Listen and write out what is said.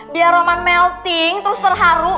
biar roman melting terus terharu